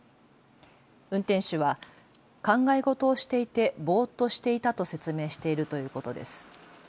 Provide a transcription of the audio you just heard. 運転手は考え事をしていてぼーっとしていたと説明しているということです。